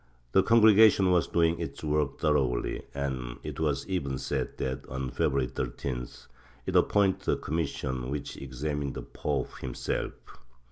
The Congregation was doing its work thoroughly and it was even said that, on February 13th, it appointed a commission which examined the pope himself.